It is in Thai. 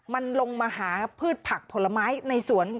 มันลงมาหาพืชผักผลไม้ในสวน